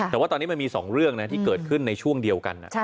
แต่ว่าตอนนี้มันมี๒เรื่องนะที่เกิดขึ้นในช่วงเดียวกัน